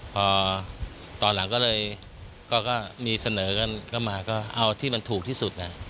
พอตอนหลังก็เลยก็มีเสนอกันเข้ามาก็เอาที่มันถูกที่สุด